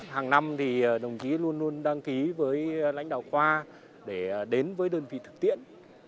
hàng năm thì đồng chí luôn luôn đăng ký với lãnh đạo khoa để đến với đơn vị thực tiễn